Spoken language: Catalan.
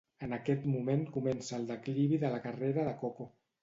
En aquest moment comença el declivi de la carrera de Coco.